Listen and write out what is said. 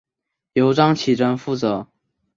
由张启珍负责。